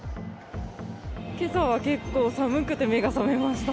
けさは結構寒くて目が覚めました。